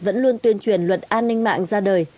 vẫn luôn tuyên truyền luật an ninh mạng ra đời